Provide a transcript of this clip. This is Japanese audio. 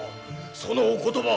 そのお言葉